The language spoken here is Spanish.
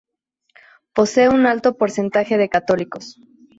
Posee un alto porcentaje de católicos.